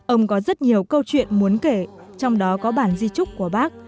ông có rất nhiều câu chuyện muốn kể trong đó có bản di trúc của bác